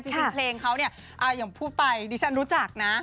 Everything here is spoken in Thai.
จริงเพลงเขาเนี่ยอย่างพูดไปดิฉันรู้จักนะ